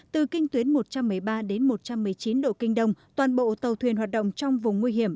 từ kinh tuyến một trăm một mươi ba đến một trăm một mươi chín độ kinh đông toàn bộ tàu thuyền hoạt động trong vùng nguy hiểm